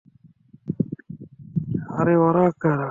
আরে, ওরা কারা?